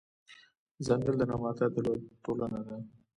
ځنګل د نباتاتو لويه ټولنه ده